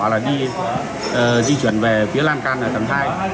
là đi di chuyển về phía lan can ở tầng hai